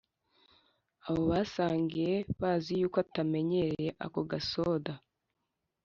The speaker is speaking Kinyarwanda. abo basangiye bazi yuko atamenyereye ako gasoda,